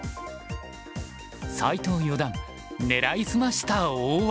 斎藤四段狙い澄ました大技。